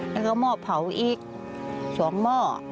แล้วก็หม้อเผาอีก๒หม้อ